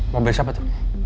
mobil siapa tuh